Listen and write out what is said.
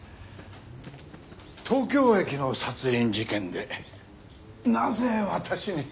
東京駅の殺人事件でなぜ私に？